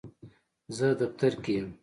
زه دفتر کې یم.